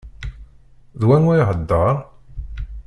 D wanwa ihedder?